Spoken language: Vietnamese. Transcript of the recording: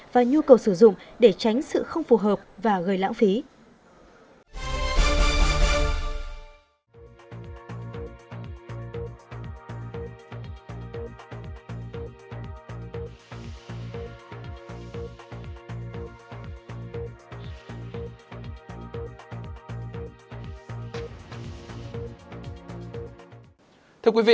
và nhu cầu sử dụng để tránh sự không phù hợp và gây lãng phí